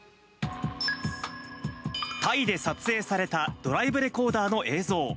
タイで撮影されたドライブレコーダーの映像。